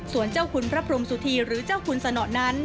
ส่วนเจ้าคุณพระพรมสุธีหรือเจ้าคุณสนอนั้น